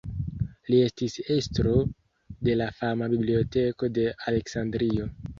Li estis estro de la fama Biblioteko de Aleksandrio.